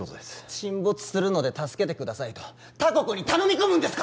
沈没するので助けてくださいと他国に頼み込むんですか？